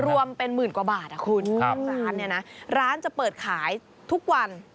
รวมเป็นหมื่นกว่าบาทอ่ะคุณครับร้านเนี่ยนะร้านจะเปิดขายทุกวัน